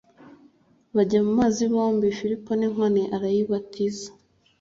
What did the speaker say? bajya mu mazi bombi filipo n inkone arayibatiza